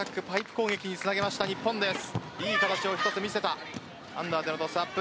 攻撃につなげました日本です。